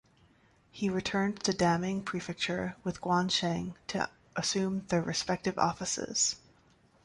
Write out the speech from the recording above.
He returns to Daming Prefecture with Guan Sheng to assume their respective offices.